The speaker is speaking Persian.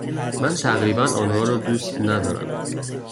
من تقریبا آنها را دوست ندارم.